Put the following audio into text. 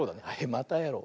またやろう！